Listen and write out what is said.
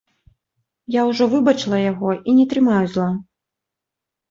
Я ўжо выбачыла яго і не трымаю зла.